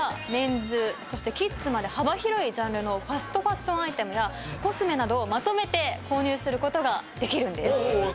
幅広いジャンルのファストファッションアイテムやコスメなどをまとめて購入することができるんです。